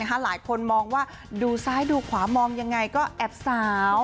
หลายคนมองว่าดูซ้ายดูขวามองยังไงก็แอบสาว